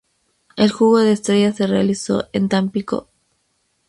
El juego de estrellas se realizó en Tampico.